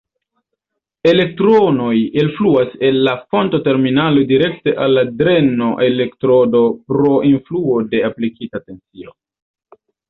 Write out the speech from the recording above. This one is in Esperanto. Elektronoj elfluas el la fonto-terminalo direkte al la dreno-elektrodo pro influo de aplikita tensio.